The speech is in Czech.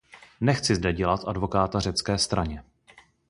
Nechci zde dělat advokáta řecké straně.